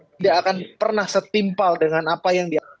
tidak akan pernah setimpal dengan apa yang dia